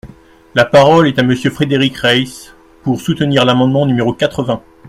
La parole est à Monsieur Frédéric Reiss, pour soutenir l’amendement numéro quatre-vingts.